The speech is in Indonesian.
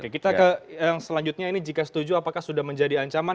kita ke yang selanjutnya ini jika setuju apakah sudah menjadi ancaman